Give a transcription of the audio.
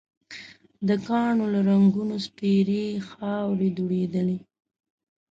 د کاڼو له رنګونو سپېرې خاورې دوړېدلې.